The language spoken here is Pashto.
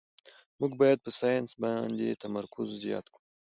موږ باید په ساینس باندې تمرکز زیات کړو